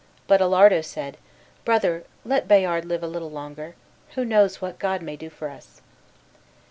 But Alardo said, "Brother, let Bayard live a little longer; who knows what God may do for us?"